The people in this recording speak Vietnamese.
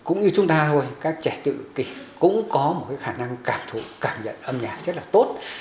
cũng như chúng ta thôi các trẻ tự kỷ cũng có một cái khả năng cảm nhận âm nhạc rất là tốt